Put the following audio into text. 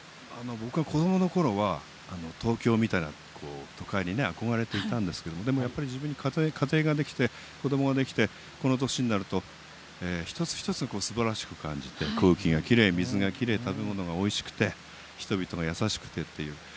僕は子どものころは東京みたいな都会に憧れていたんですけど自分に家庭ができて子どもができて、この年になると一つ一つがすばらしく感じて空気がきれい、水がきれい食べ物がおいしくて人々が優しくてっていう。